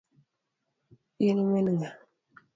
In min ng'a?